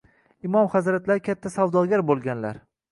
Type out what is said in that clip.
Imom hazratlari katta savdogar bo‘lganlar